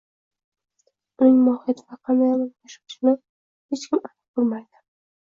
uning mohiyati va qanday amalga oshirilishini hech kim aniq bilmaydi